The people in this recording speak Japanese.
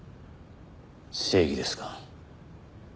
正義ですか。